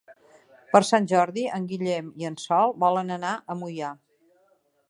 Per Sant Jordi en Guillem i en Sol volen anar a Moià.